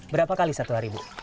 berapa kali satu hari ibu